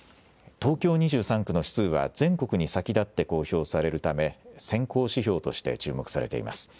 東京２３区の指数は、全国に先立って公表されるため、先行指標として注目されています。